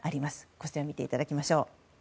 こちらを見ていただきましょう。